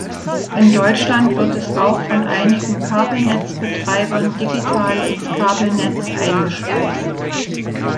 In Deutschland wird es auch von einigen Kabelnetzbetreibern digital ins Kabelnetz eingespeist.